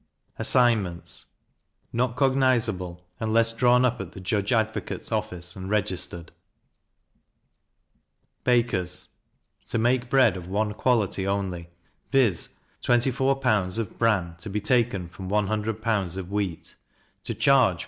Assignments not cognizable, unless drawn up at the judge advocate's office and registered. Bakers to make bread of one quality only; viz. 24lbs. of bran to be taken from 100lbs. of wheat: to charge 4d.